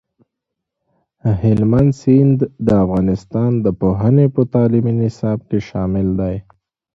هلمند سیند د افغانستان د پوهنې په تعلیمي نصاب کې شامل دی.